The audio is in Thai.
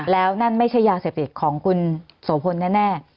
แล้วนั่นไม่ใช่ยาเสพเด็กของคุณสโภนแน่